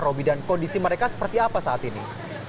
roby dan kondisi mereka seperti apa saat ini